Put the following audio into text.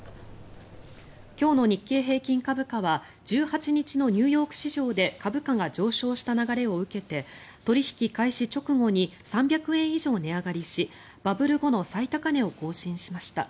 今日の日経平均株価は１８日のニューヨーク市場で株価が上昇した流れを受けて取引開始直後に３００円以上値上がりしバブル後の最高値を更新しました。